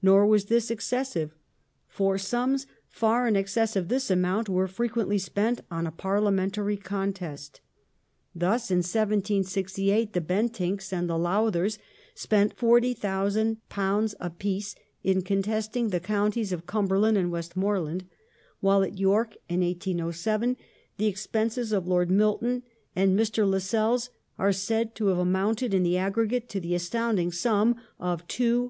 Nor was this excessive, for sums far in excess of this amount were frequently spent on a parliamentary contest. Thus in 1768 the Bentincks and the Lowthers spent £40,000 apiece in contesting the counties of Cumberland and Westmoreland, while at York in 1807 the ex penses of Lord Milton and of Mr. Lascelles are said to have amounted, in the aggregate, to the astounding sum of £200,000.